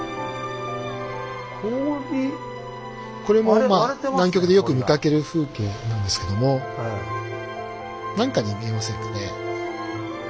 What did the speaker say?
これも南極でよく見かける風景なんですけども何かに見えませんかね？